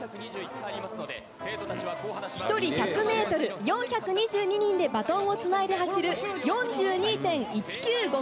１人１００メートル、４２２人でバトンをつないで走る、４２．１９５